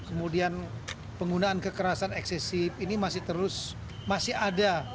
kemudian penggunaan kekerasan eksesif ini masih terus masih ada